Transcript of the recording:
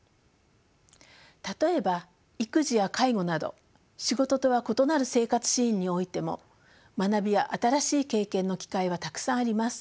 例えば育児や介護など仕事とは異なる生活シーンにおいても学びや新しい経験の機会はたくさんあります。